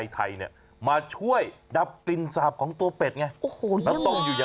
๕๐ตัวโอ้โฮ